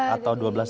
atau dua belas tahun